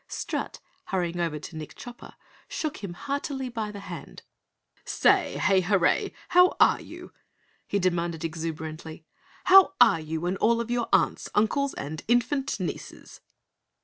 Strut, hurrying over to Nick Chopper, shook him heartily by the hand. "Say, Hay Hurray! How ARE you?" he demanded exuberantly. "How are you and all of your aunts, uncles and infant nieces?"